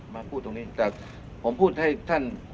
มาพูดตรงนี้แต่ผมพูดให้ท่าน